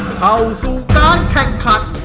เข้าสู่การแข่งขัน